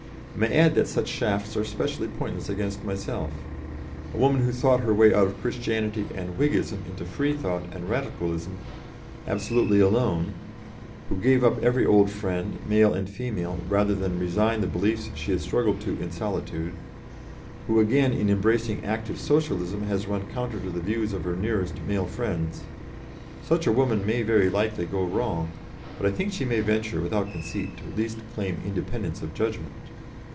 I may add that such shafts are specially pointless against myself. A woman who thought her way out of Christianity and Whiggism into Freethought and Radicalism absolutely alone; who gave up every old friend, male and female, rather than resign the beliefs she had struggled to in solitude; who, again, in embracing active Socialism, has run counter to the views of her nearest 'male friends'; such a woman may very likely go wrong, but I think she may venture, without conceit, to at least claim independence of judgment.